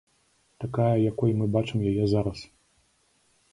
Такая, якой мы бачым яе зараз.